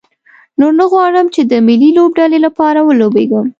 نور نه غواړم چې د ملي لوبډلې لپاره ولوبېږم.